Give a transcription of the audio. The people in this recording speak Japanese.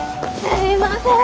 すいません。